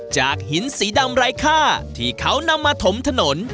จากหินสีดำไร้ค่าที่เขานำมาถมถนน